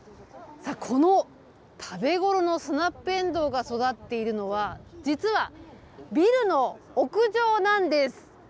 この食べごろのスナップエンドウが育っているのは、実はビルの屋上なんです。